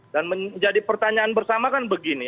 dan menjadi pertanyaan bersama kan begini